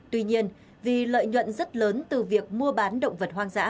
tuy nhiên vì lợi nhuận rất lớn từ việc mua bán động vật hoang dã